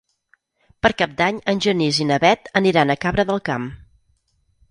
Per Cap d'Any en Genís i na Bet aniran a Cabra del Camp.